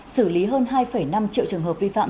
xử lý hơn hai năm triệu trường hợp vi phạm